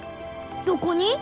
どこに？